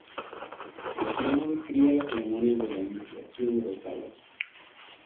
Luciano describe las ceremonias de la iniciación de los galos.